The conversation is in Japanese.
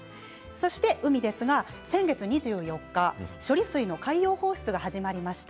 そして海ですが、先月２４日処理水の海洋放出が始まりました。